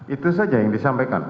itu saja yang disampaikan